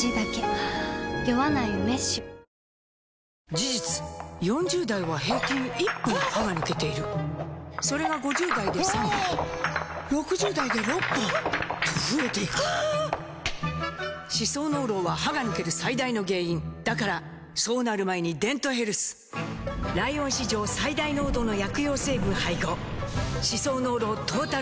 事実４０代は平均１本歯が抜けているそれが５０代で３本６０代で６本と増えていく歯槽膿漏は歯が抜ける最大の原因だからそうなる前に「デントヘルス」ライオン史上最大濃度の薬用成分配合歯槽膿漏トータルケア！